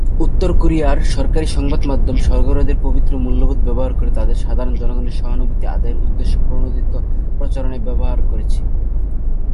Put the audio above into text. উত্তর কোরিয়ার সরকারি সংবাদ মাধ্যম স্বর্গ হ্রদের পবিত্র মূল্যবোধ ব্যবহার করে তাদের সাধারণ জনগণের সহানুভূতি আদায়ের উদ্দেশ্যপ্রণোদিত প্রচারণায় ব্যবহার করেছে।